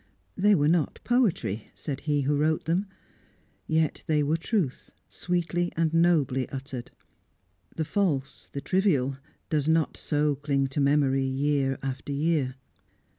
They were not poetry said he who wrote them. Yet they were truth, sweetly and nobly uttered. The false, the trivial, does not so cling to memory year after year.